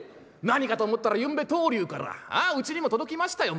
何かと思ったらゆんべ棟梁からああうちにも届きましたよ